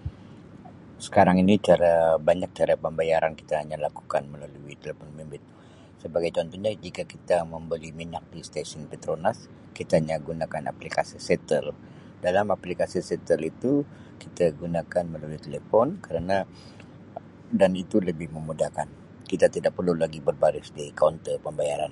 Sekarang ini cara banyak cara pembayaran kita hanya lakukan melalui telepon bimbit sebagai contohnya jika kita membeli minyak di stesen Petronas kita hanya gunakan aplikasi Setel dalam aplikasi Setel itu kita gunakan melalui telepon kerana dan itu lebih memudahkan. Kita tidak perlu lagi berbaris di kaunter pembayaran.